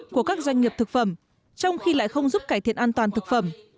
doanh nghiệp thực phẩm trong khi lại không giúp cải thiện an toàn thực phẩm